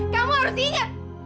kamu harus ingat